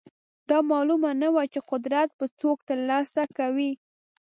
دا معلومه نه وه چې قدرت به څوک ترلاسه کوي.